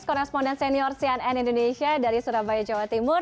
koresponden senior cnn indonesia dari surabaya jawa timur